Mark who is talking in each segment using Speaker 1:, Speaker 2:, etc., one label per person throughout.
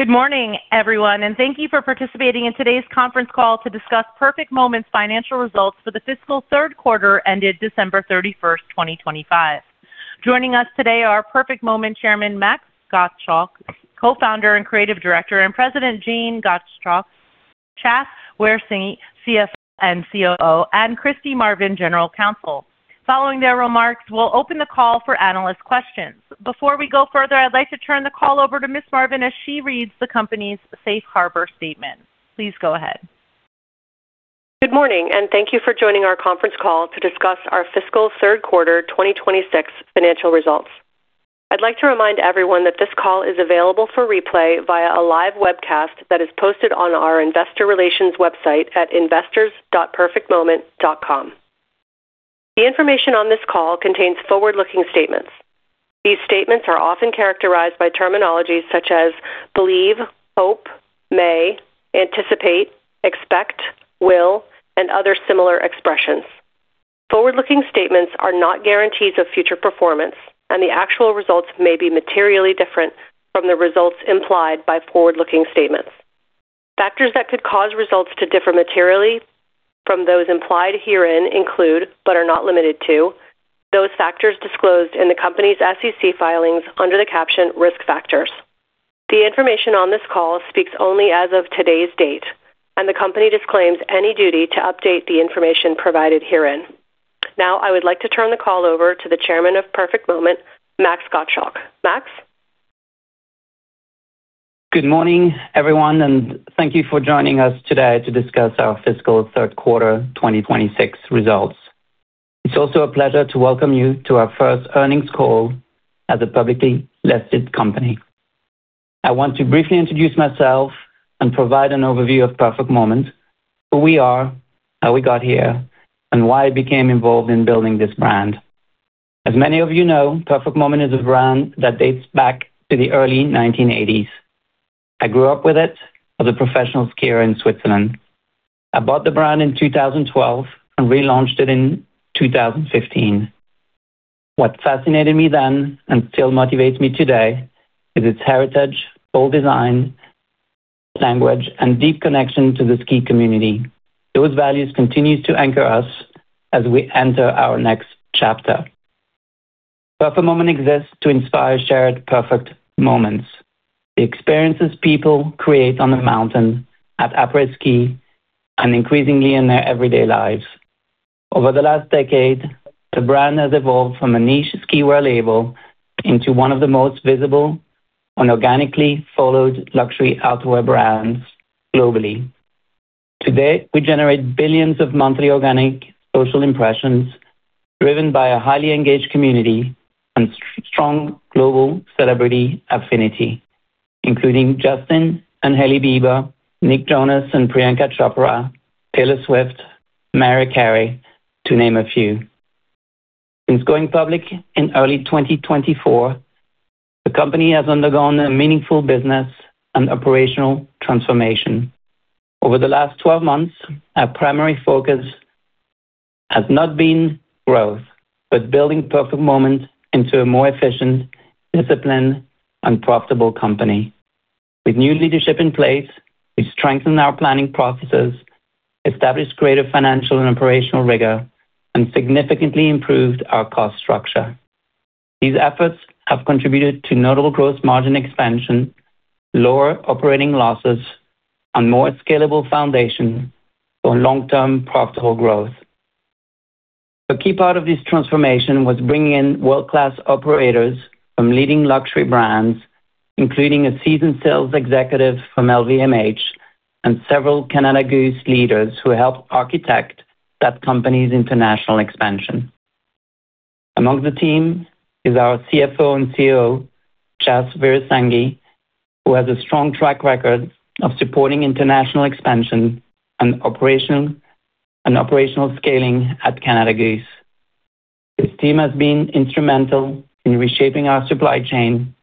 Speaker 1: Good morning, everyone, and thank you for participating in today's conference call to discuss Perfect Moment's financial results for the fiscal third quarter ended December 31, 2025. Joining us today are Perfect Moment Chairman, Max Gottschalk, Co-founder and Creative Director, and President, Jane Gottschalk, Chath Weerasinghe, CFO and COO, and Kristi Marvin, General Counsel. Following their remarks, we'll open the call for analyst questions. Before we go further, I'd like to turn the call over to Ms. Marvin as she reads the company's Safe Harbor statement. Please go ahead.
Speaker 2: Good morning, and thank you for joining our conference call to discuss our fiscal third quarter 2026 financial results. I'd like to remind everyone that this call is available for replay via a live webcast that is posted on our investor relations website at investors.perfectmoment.com. The information on this call contains forward-looking statements. These statements are often characterized by terminology such as believe, hope, may, anticipate, expect, will and other similar expressions. Forward-looking statements are not guarantees of future performance, and the actual results may be materially different from the results implied by forward-looking statements. Factors that could cause results to differ materially from those implied herein include, but are not limited to, those factors disclosed in the company's SEC filings under the caption Risk Factors. The information on this call speaks only as of today's date, and the company disclaims any duty to update the information provided herein. Now, I would like to turn the call over to the Chairman of Perfect Moment, Max Gottschalk. Max?
Speaker 3: Good morning, everyone, and thank you for joining us today to discuss our fiscal third quarter 2026 results. It's also a pleasure to welcome you to our first earnings call as a publicly listed company. I want to briefly introduce myself and provide an overview of Perfect Moment, who we are, how we got here, and why I became involved in building this brand. As many of you know, Perfect Moment is a brand that dates back to the early 1980s. I grew up with it as a professional skier in Switzerland. I bought the brand in 2012 and relaunched it in 2015. What fascinated me then, and still motivates me today, is its heritage, bold design, language, and deep connection to the ski community. Those values continue to anchor us as we enter our next chapter. Perfect Moment exists to inspire shared perfect moments, the experiences people create on the mountain, at après-ski, and increasingly in their everyday lives. Over the last decade, the brand has evolved from a niche ski wear label into one of the most visible and organically followed luxury outerwear brands globally. Today, we generate billions of monthly organic social impressions, driven by a highly engaged community and strong global celebrity affinity, including Justin and Hailey Bieber, Nick Jonas and Priyanka Chopra, Taylor Swift, Mariah Carey, to name a few. Since going public in early 2024, the company has undergone a meaningful business and operational transformation. Over the last twelve months, our primary focus has not been growth, but building Perfect Moment into a more efficient, disciplined, and profitable company. With new leadership in place, we've strengthened our planning processes, established greater financial and operational rigor, and significantly improved our cost structure. These efforts have contributed to notable gross margin expansion, lower operating losses, and more scalable foundation for long-term profitable growth. A key part of this transformation was bringing in world-class operators from leading luxury brands, including a seasoned sales executive from LVMH and several Canada Goose leaders who helped architect that company's international expansion. Among the team is our CFO and COO, Chath Weerasinghe, who has a strong track record of supporting international expansion and operation, and operational scaling at Canada Goose. This team has been instrumental in reshaping our supply chain,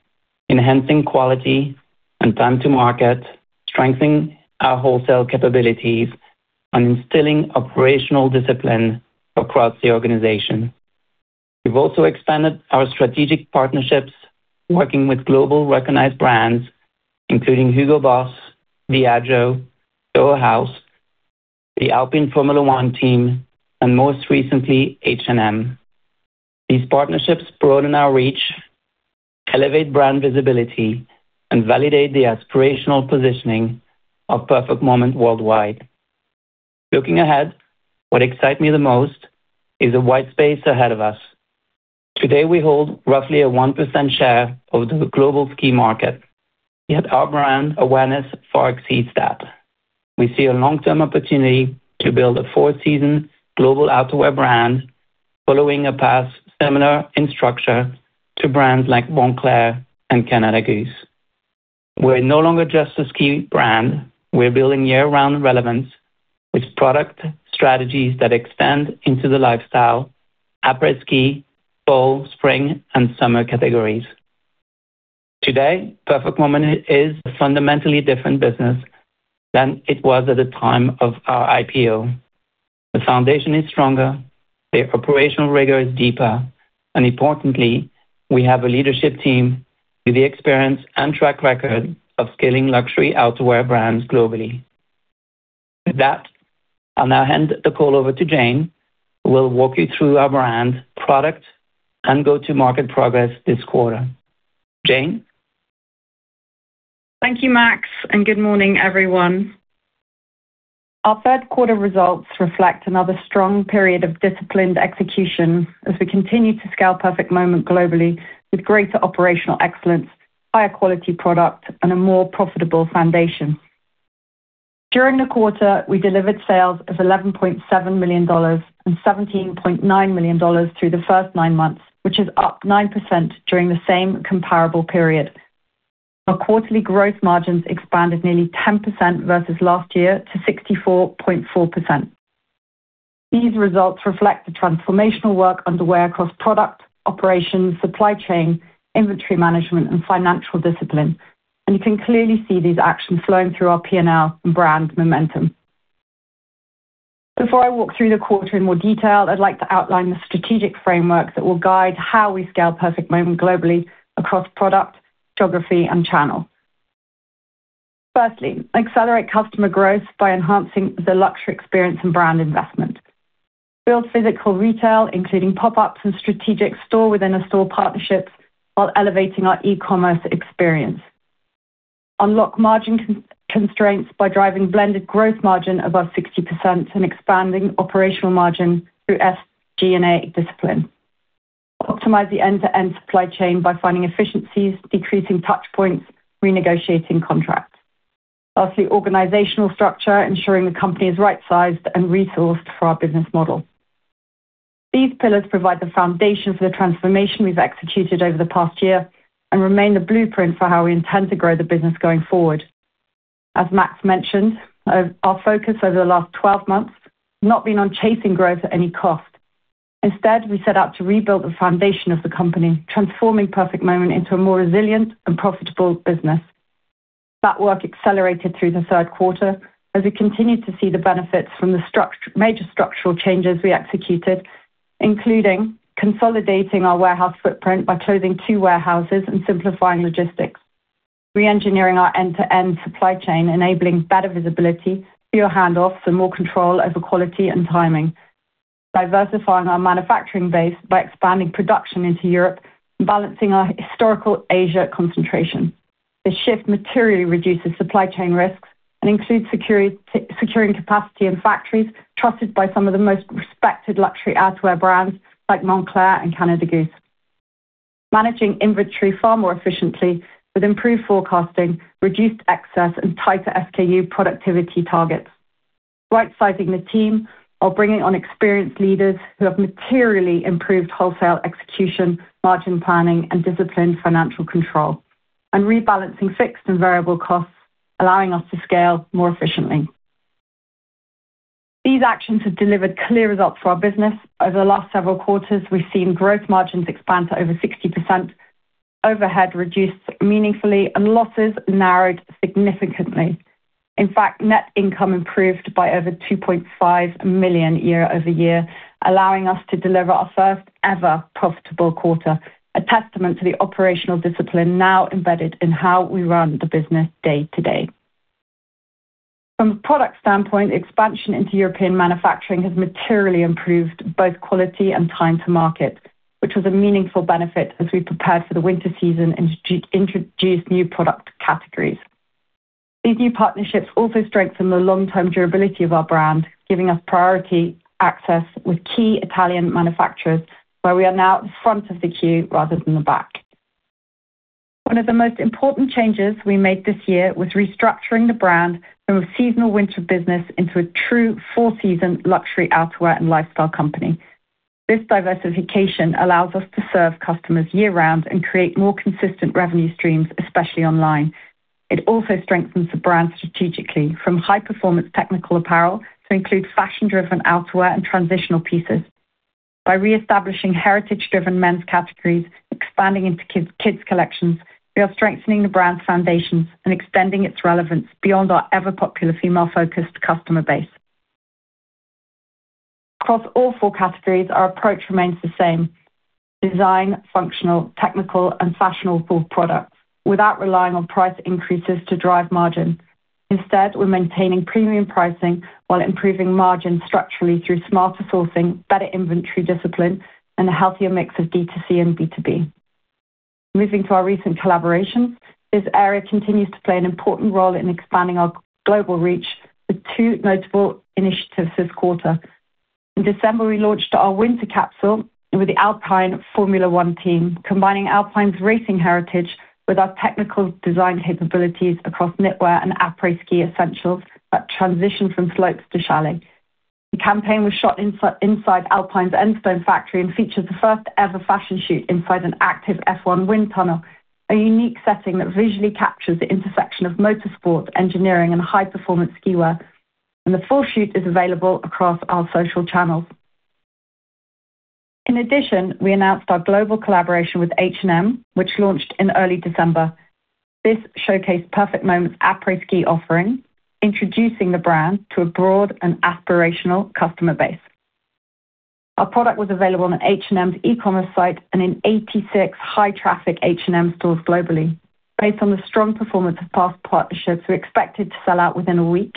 Speaker 3: enhancing quality and time to market, strengthening our wholesale capabilities, and instilling operational discipline across the organization. We've also expanded our strategic partnerships, working with globally recognized brands including HUGO BOSS, Soho House, the BWT Alpine F1 Team, and most recently, H&M. These partnerships broaden our reach, elevate brand visibility, and validate the aspirational positioning of Perfect Moment worldwide. Looking ahead, what excites me the most is the white space ahead of us. Today, we hold roughly a 1% share of the global ski market, yet our brand awareness far exceeds that. We see a long-term opportunity to build a four-season global outerwear brand, following a path similar in structure to brands like Moncler and Canada Goose. We're no longer just a ski brand. We're building year-round relevance with product strategies that expand into the lifestyle, après-ski, fall, spring, and summer categories. Today, Perfect Moment is a fundamentally different business than it was at the time of our IPO. The foundation is stronger, the operational rigor is deeper, and importantly, we have a leadership team with the experience and track record of scaling luxury outerwear brands globally. With that, I'll now hand the call over to Jane, who will walk you through our brand, product, and go-to-market progress this quarter. Jane?
Speaker 4: Thank you, Max, and good morning, everyone. Our third quarter results reflect another strong period of disciplined execution as we continue to scale Perfect Moment globally with greater operational excellence, higher quality product, and a more profitable foundation. During the quarter, we delivered sales of $11.7 million and $17.9 million through the first nine months, which is up 9% during the same comparable period. Our quarterly growth margins expanded nearly 10% versus last year to 64.4%. These results reflect the transformational work underway across product, operations, supply chain, inventory management, and financial discipline. You can clearly see these actions flowing through our PNL and brand momentum. Before I walk through the quarter in more detail, I'd like to outline the strategic framework that will guide how we scale Perfect Moment globally across product, geography, and channel. Firstly, accelerate customer growth by enhancing the luxury experience and brand investment. Build physical retail, including pop-ups and strategic store within a store partnerships, while elevating our e-commerce experience. Unlock margin constraints by driving blended growth margin above 60% and expanding operational margin through SG&A discipline. Optimize the end-to-end supply chain by finding efficiencies, decreasing touch points, renegotiating contracts. Lastly, organizational structure, ensuring the company is right-sized and resourced for our business model. These pillars provide the foundation for the transformation we've executed over the past year and remain the blueprint for how we intend to grow the business going forward. As Max mentioned, our focus over the last 12 months has not been on chasing growth at any cost. Instead, we set out to rebuild the foundation of the company, transforming Perfect Moment into a more resilient and profitable business. That work accelerated through the third quarter as we continued to see the benefits from the structural, major structural changes we executed, including consolidating our warehouse footprint by closing 2 warehouses and simplifying logistics. Reengineering our end-to-end supply chain, enabling better visibility, fewer handoffs, and more control over quality and timing. Diversifying our manufacturing base by expanding production into Europe and balancing our historical Asia concentration. This shift materially reduces supply chain risks and includes security, securing capacity in factories trusted by some of the most respected luxury outerwear brands like Moncler and Canada Goose. Managing inventory far more efficiently with improved forecasting, reduced excess, and tighter SKU productivity targets. Right-sizing the team while bringing on experienced leaders who have materially improved wholesale execution, margin planning, and disciplined financial control, and rebalancing fixed and variable costs, allowing us to scale more efficiently. These actions have delivered clear results for our business. Over the last several quarters, we've seen growth margins expand to over 60%, overhead reduced meaningfully, and losses narrowed significantly. In fact, net income improved by over $2.5 million year-over-year, allowing us to deliver our first ever profitable quarter, a testament to the operational discipline now embedded in how we run the business day to day. From a product standpoint, expansion into European manufacturing has materially improved both quality and time to market, which was a meaningful benefit as we prepared for the winter season and introduced new product categories. These new partnerships also strengthen the long-term durability of our brand, giving us priority access with key Italian manufacturers, where we are now at the front of the queue rather than the back. One of the most important changes we made this year was restructuring the brand from a seasonal winter business into a true four-season luxury outerwear and lifestyle company. This diversification allows us to serve customers year-round and create more consistent revenue streams, especially online. It also strengthens the brand strategically from high-performance technical apparel to include fashion-driven outerwear and transitional pieces. By reestablishing heritage-driven men's categories, expanding into kids, kids collections, we are strengthening the brand's foundations and extending its relevance beyond our ever-popular female-focused customer base. Across all four categories, our approach remains the same, design, functional, technical, and fashionable for product, without relying on price increases to drive margin. Instead, we're maintaining premium pricing while improving margin structurally through smarter sourcing, better inventory discipline, and a healthier mix of D2C and B2B. Moving to our recent collaborations, this area continues to play an important role in expanding our global reach with two notable initiatives this quarter. In December, we launched our winter capsule with the Alpine Formula One team, combining Alpine's racing heritage with our technical design capabilities across knitwear and après-ski essentials that transition from slopes to chalet. The campaign was shot inside Alpine's Enstone factory and features the first-ever fashion shoot inside an active F1 wind tunnel, a unique setting that visually captures the intersection of motorsport, engineering, and high-performance ski wear, and the full shoot is available across our social channels. In addition, we announced our global collaboration with H&M, which launched in early December. This showcased Perfect Moment's après-ski offering, introducing the brand to a broad and aspirational customer base. Our product was available on H&M's e-commerce site and in 86 high-traffic H&M stores globally. Based on the strong performance of past partnerships, we expected to sell out within a week.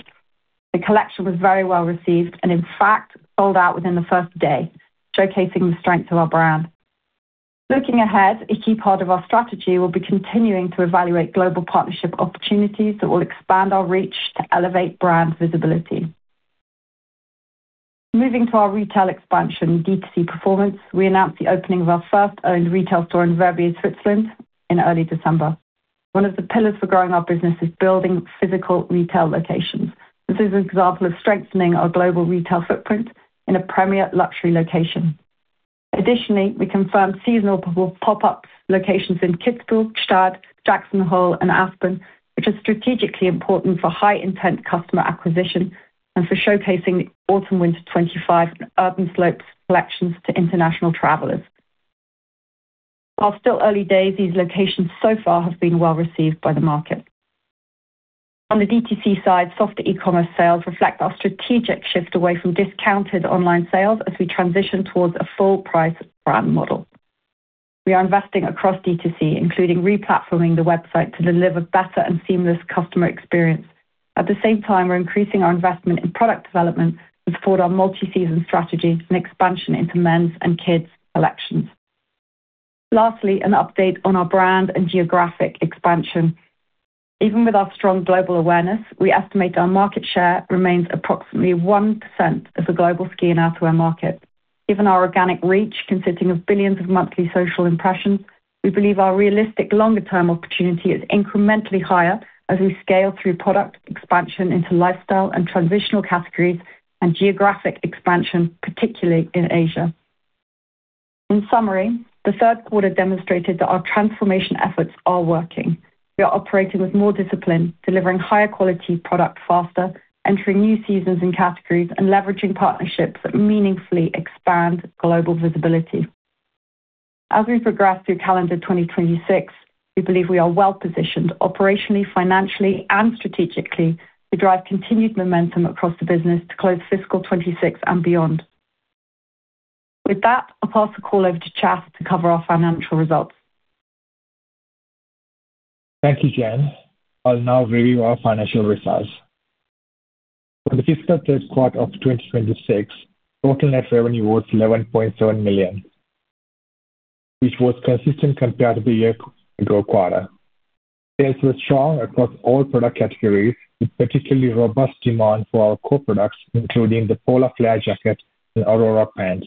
Speaker 4: The collection was very well received and, in fact, sold out within the first day, showcasing the strength of our brand. Looking ahead, a key part of our strategy will be continuing to evaluate global partnership opportunities that will expand our reach to elevate brand visibility. Moving to our retail expansion DTC performance, we announced the opening of our first owned retail store in Verbier, Switzerland, in early December. One of the pillars for growing our business is building physical retail locations. This is an example of strengthening our global retail footprint in a premier luxury location. Additionally, we confirmed seasonal pop-up locations in Kitzbühel, Gstaad, Jackson Hole and Aspen, which are strategically important for high-intent customer acquisition and for showcasing autumn/winter 25 urban slopes collections to international travelers. While still early days, these locations so far have been well received by the market. On the DTC side, softer e-commerce sales reflect our strategic shift away from discounted online sales as we transition towards a full price brand model. We are investing across DTC, including replatforming the website to deliver better and seamless customer experience. At the same time, we're increasing our investment in product development to support our multi-season strategy and expansion into men's and kids' collections. Lastly, an update on our brand and geographic expansion. Even with our strong global awareness, we estimate our market share remains approximately 1% of the global ski and outerwear market. Given our organic reach, consisting of billions of monthly social impressions, we believe our realistic longer-term opportunity is incrementally higher as we scale through product expansion into lifestyle and transitional categories and geographic expansion, particularly in Asia. In summary, the third quarter demonstrated that our transformation efforts are working. We are operating with more discipline, delivering higher quality product faster, entering new seasons and categories, and leveraging partnerships that meaningfully expand global visibility. As we progress through calendar 2026, we believe we are well positioned operationally, financially, and strategically to drive continued momentum across the business to close fiscal 2026 and beyond. With that, I'll pass the call over to Chath Weerasinghe to cover our financial results.
Speaker 5: Thank you, Jane. I'll now review our financial results. For the fiscal third quarter of 2026, total net revenue was $11.7 million, which was consistent compared to the year-ago quarter. Sales were strong across all product categories, with particularly robust demand for our core products, including the Polar Flare jacket and Aurora pant.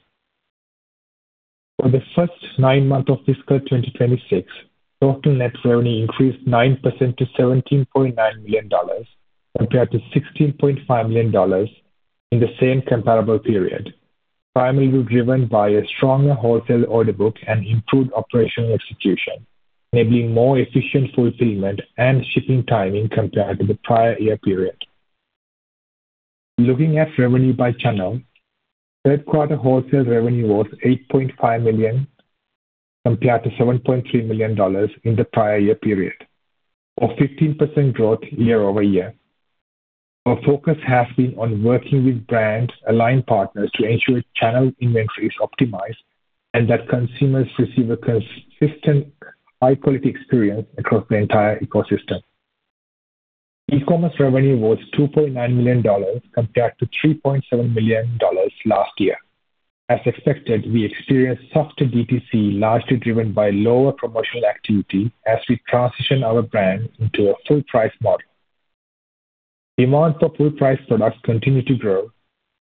Speaker 5: For the first nine months of fiscal 2026, total net revenue increased 9% to $17.9 million, compared to $16.5 million in the same comparable period. Primarily driven by a stronger wholesale order book and improved operational execution, enabling more efficient fulfillment and shipping timing compared to the prior year period. Looking at revenue by channel, third quarter wholesale revenue was $8.5 million, compared to $7.3 million in the prior year period, or 15% growth year-over-year. Our focus has been on working with brands, aligned partners to ensure channel inventory is optimized and that consumers receive a consistent, high-quality experience across the entire ecosystem. E-commerce revenue was $2.9 million, compared to $3.7 million last year. As expected, we experienced softer DTC, largely driven by lower promotional activity as we transition our brand into a full price model. Demand for full price products continue to grow,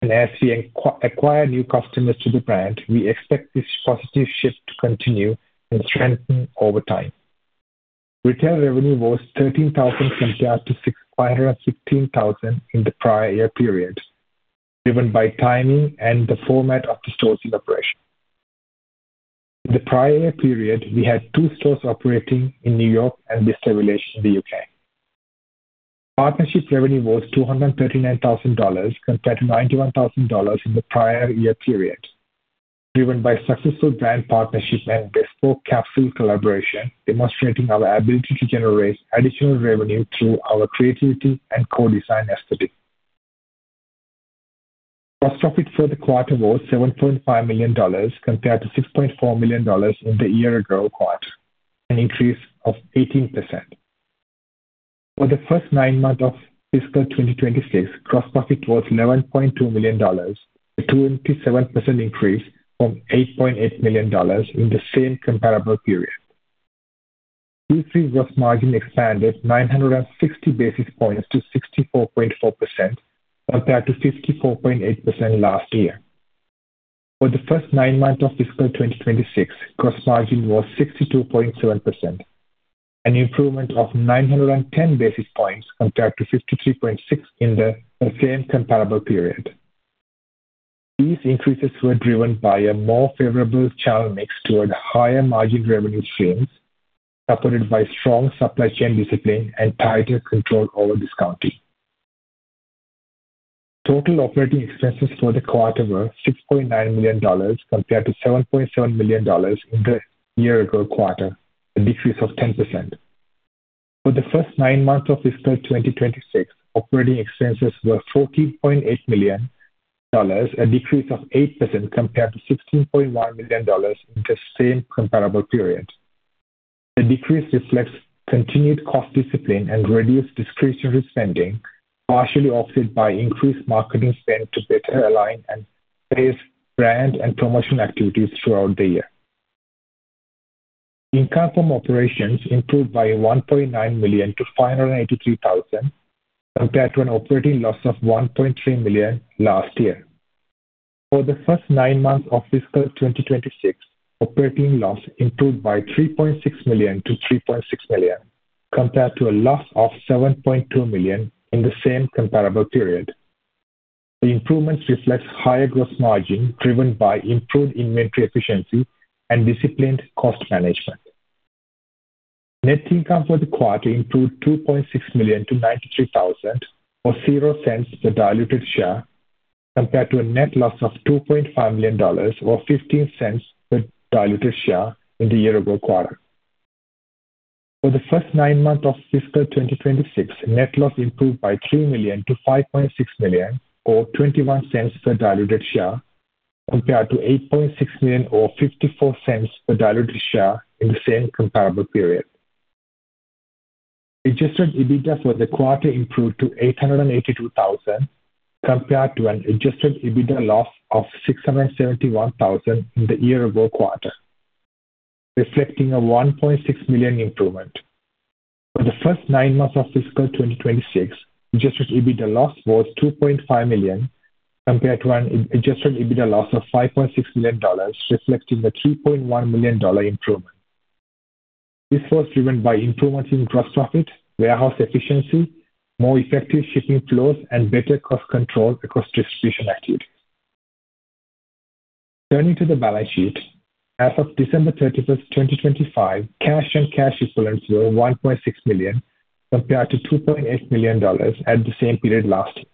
Speaker 5: and as we acquire new customers to the brand, we expect this positive shift to continue and strengthen over time. Retail revenue was $13,000, compared to $516,000 in the prior year period, driven by timing and the format of the stores in operation. In the prior year period, we had two stores operating in New York and Bicester Village in the U.K. Partnership revenue was $239,000, compared to $91,000 in the prior year period, driven by successful brand partnership and bespoke capsule collaboration, demonstrating our ability to generate additional revenue through our creativity and co-design aesthetic. Gross profit for the quarter was $7.5 million, compared to $6.4 million in the year ago quarter, an increase of 18%. For the first 9 months of fiscal 2026, gross profit was $11.2 million, a 27% increase from $8.8 million in the same comparable period. Q3 gross margin expanded 960 basis points to 64.4%, compared to 54.8% last year. For the first 9 months of fiscal 2026, gross margin was 62.7%, an improvement of 910 basis points compared to 53.6 in the same comparable period. These increases were driven by a more favorable channel mix toward higher margin revenue streams, supported by strong supply chain discipline and tighter control over discounting. Total operating expenses for the quarter were $6.9 million compared to $7.7 million in the year-ago quarter, a decrease of 10%. For the first 9 months of fiscal 2026, operating expenses were $14.8 million, a decrease of 8% compared to $16.1 million in the same comparable period. The decrease reflects continued cost discipline and reduced discretionary spending, partially offset by increased marketing spend to better align and pace brand and promotion activities throughout the year. Income from operations improved by $1.9 million-$583,000, compared to an operating loss of $1.3 million last year. For the first nine months of fiscal 2026, operating loss improved by $3.6 million to $3.6 million, compared to a loss of $7.2 million in the same comparable period. The improvements reflect higher gross margin, driven by improved inventory efficiency and disciplined cost management. Net income for the quarter improved $2.6 million-$93,000, or $0 cents per diluted share, compared to a net loss of $2.5 million, or $0.15 per diluted share in the year-ago quarter. For the first nine months of fiscal 2026, net loss improved by $3 million-$5.6 million, or $0.21 per diluted share, compared to $8.6 million or $0.54 per diluted share in the same comparable period. Adjusted EBITDA for the quarter improved to $882,000, compared to an adjusted EBITDA loss of $671,000 in the year-ago quarter, reflecting a $1.6 million improvement. For the first nine months of fiscal 2026, adjusted EBITDA loss was $2.5 million, compared to an adjusted EBITDA loss of $5.6 million, reflecting a $3.1 million improvement. This was driven by improvements in gross profit, warehouse efficiency, more effective shipping flows, and better cost control across distribution activities. Turning to the balance sheet. As of December 31, 2025, cash and cash equivalents were $1.6 million, compared to $2.8 million at the same period last year.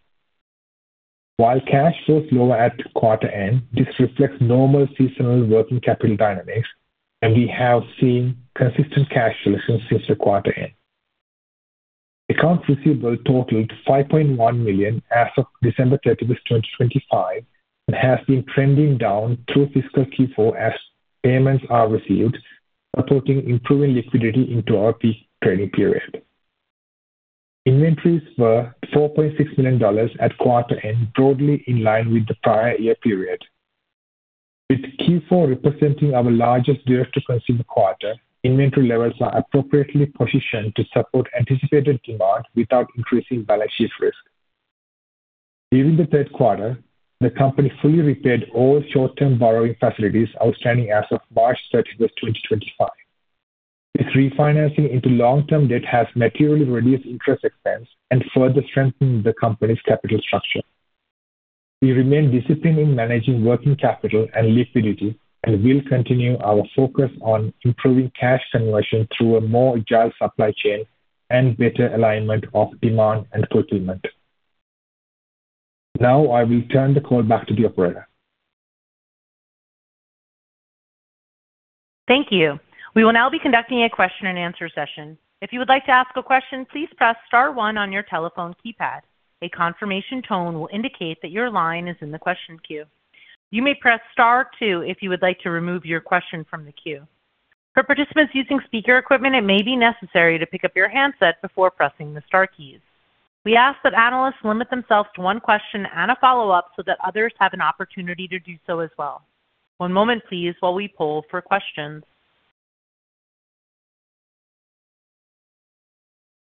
Speaker 5: While cash was lower at quarter end, this reflects normal seasonal working capital dynamics, and we have seen consistent cash solutions since the quarter end. Accounts receivable totaled $5.1 million as of December 31, 2025, and has been trending down through fiscal Q4 as payments are received, supporting improving liquidity into our peak trading period. Inventories were $4.6 million at quarter end, broadly in line with the prior year period. With Q4 representing our largest direct-to-consumer quarter, inventory levels are appropriately positioned to support anticipated demand without increasing balance sheet risk. During the third quarter, the company fully repaid all short-term borrowing facilities outstanding as of March 31, 2025. This refinancing into long-term debt has materially reduced interest expense and further strengthened the company's capital structure. We remain disciplined in managing working capital and liquidity, and we'll continue our focus on improving cash conversion through a more agile supply chain and better alignment of demand and procurement. Now I return the call back to the operator.
Speaker 1: Thank you. We will now be conducting a question-and-answer session. If you would like to ask a question, please press star one on your telephone keypad. A confirmation tone will indicate that your line is in the question queue. You may press star two if you would like to remove your question from the queue. For participants using speaker equipment, it may be necessary to pick up your handset before pressing the star keys. We ask that analysts limit themselves to one question and a follow-up so that others have an opportunity to do so as well. One moment, please, while we poll for questions.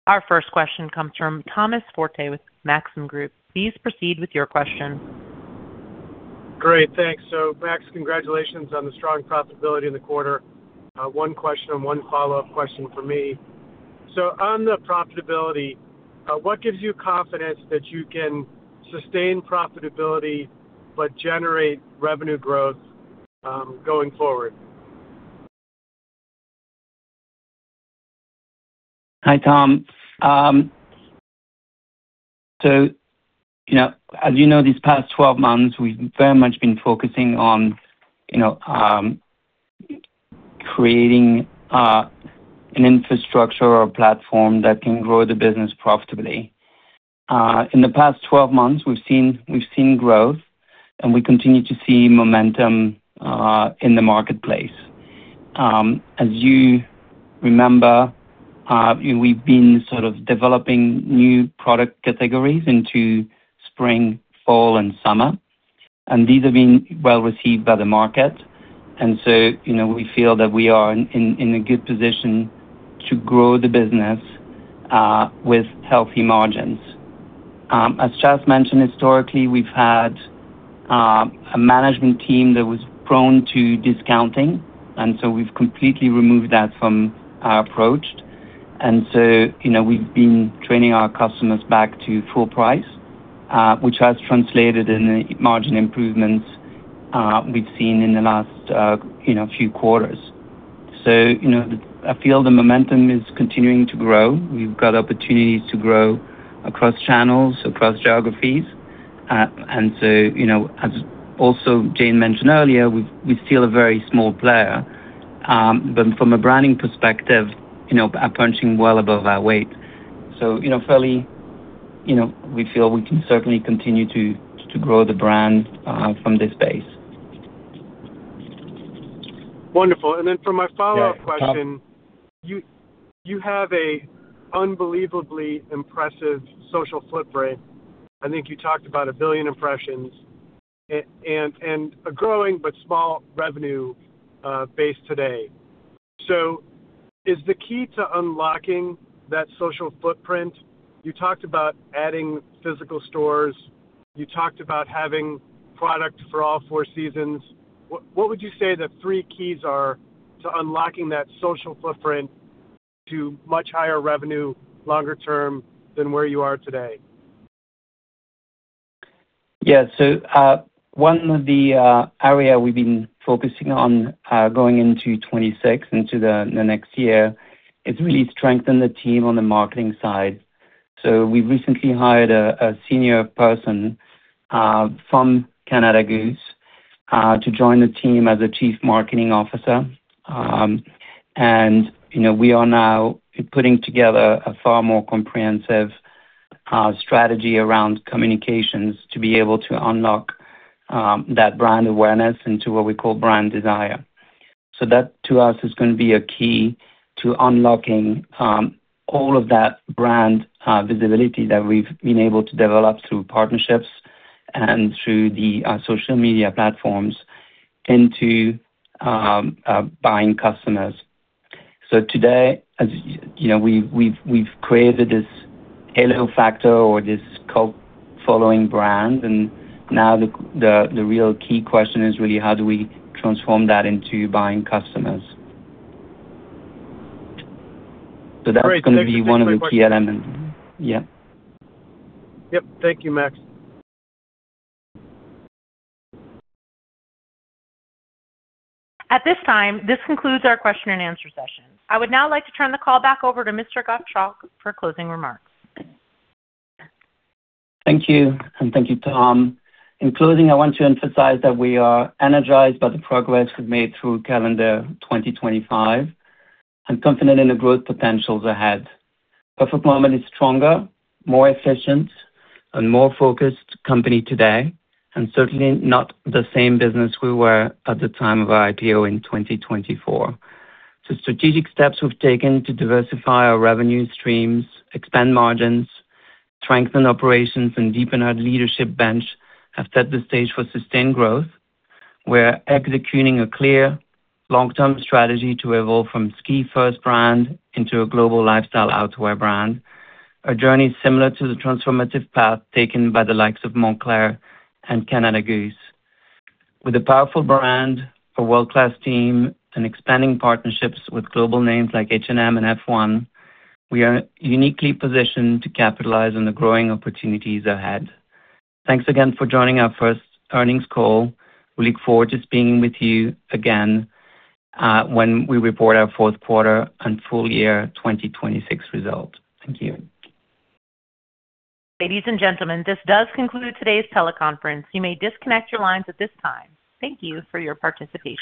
Speaker 1: Our first question comes from Thomas Forte with Maxim Group. Please proceed with your question.
Speaker 6: Great, thanks. So Max, congratulations on the strong profitability in the quarter. One question and one follow-up question for me. So on the profitability, what gives you confidence that you can sustain profitability but generate revenue growth, going forward?
Speaker 3: Hi, Tom. So, you know, as you know, these past 12 months, we've very much been focusing on, you know, creating, an infrastructure or platform that can grow the business profitably. In the past 12 months, we've seen, we've seen growth, and we continue to see momentum, in the marketplace. As you remember, we've been sort of developing new product categories into spring, fall, and summer, and these have been well received by the market. And so, you know, we feel that we are in, in, in a good position to grow the business, with healthy margins. As Chath mentioned, historically, we've had, a management team that was prone to discounting, and so we've completely removed that from our approach. And so, you know, we've been training our customers back to full price, which has translated in the margin improvements we've seen in the last, you know, few quarters. So, you know, I feel the momentum is continuing to grow. We've got opportunities to grow across channels, across geographies. And so, you know, as also Jane mentioned earlier, we're still a very small player. But from a branding perspective, you know, are punching well above our weight. So, you know, fairly, you know, we feel we can certainly continue to grow the brand from this base.
Speaker 6: Wonderful. And then for my follow-up question-
Speaker 3: Yeah.
Speaker 6: You have an unbelievably impressive social footprint. I think you talked about 1 billion impressions, and a growing but small revenue base today. So is the key to unlocking that social footprint... You talked about adding physical stores. You talked about having product for all four seasons. What would you say the three keys are to unlocking that social footprint to much higher revenue longer term than where you are today?
Speaker 3: Yeah. One of the area we've been focusing on going into 2026, into the next year, is really strengthen the team on the marketing side. We recently hired a senior person from Canada Goose to join the team as Chief Marketing Officer. You know, we are now putting together a far more comprehensive strategy around communications to be able to unlock that brand awareness into what we call brand desire. That, to us, is gonna be a key to unlocking all of that brand visibility that we've been able to develop through partnerships and through the social media platforms into buying customers. So today, as you know, we've created this halo factor or this cult following brand, and now the real key question is really how do we transform that into buying customers? So that's gonna be one of the key elements. Yeah.
Speaker 6: Yep. Thank you, Max.
Speaker 1: At this time, this concludes our question and answer session. I would now like to turn the call back over to Mr. Gottschalk for closing remarks.
Speaker 3: Thank you, and thank you, Tom. In closing, I want to emphasize that we are energized by the progress we've made through calendar 2025 and confident in the growth potentials ahead. Perfect Moment is stronger, more efficient, and more focused company today, and certainly not the same business we were at the time of our IPO in 2024. The strategic steps we've taken to diversify our revenue streams, expand margins, strengthen operations, and deepen our leadership bench, have set the stage for sustained growth. We're executing a clear, long-term strategy to evolve from ski-first brand into a global lifestyle outdoor brand, a journey similar to the transformative path taken by the likes of Moncler and Canada Goose. With a powerful brand, a world-class team, and expanding partnerships with global names like H&M and F1, we are uniquely positioned to capitalize on the growing opportunities ahead. Thanks again for joining our first earnings call. We look forward to being with you again, when we report our fourth quarter and full year 2026 results. Thank you.
Speaker 1: Ladies and gentlemen, this does conclude today's teleconference. You may disconnect your lines at this time. Thank you for your participation.